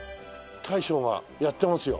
大将がやってますよ。